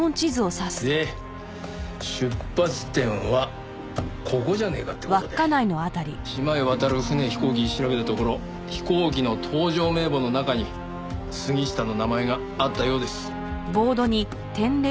で出発点はここじゃねえかって事で島へ渡る船飛行機調べたところ飛行機の搭乗名簿の中に杉下の名前があったようです。